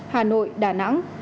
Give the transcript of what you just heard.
hà nội đà nẵng